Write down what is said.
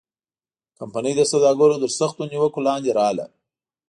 کمپنۍ د سوداګرو تر سختو نیوکو لاندې راغله.